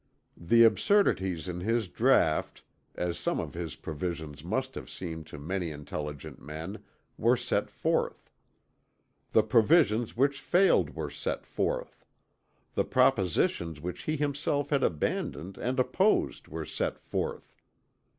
The absurdities in his draught, as some of his provisions must have seemed to many intelligent men, were set forth; the provisions which failed were set forth; the propositions which he himself had abandoned and opposed were set forth.